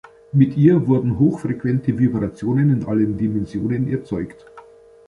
Mit ihr wurden hochfrequente Vibrationen in allen Dimensionen erzeugt.